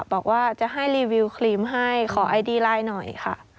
บอกว่าจะให้รีวิวครีมให้ขอไอดีไลน์หน่อยค่ะ